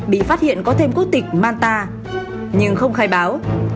bị phát hiện có thêm quốc tịch manta nhưng không khai báo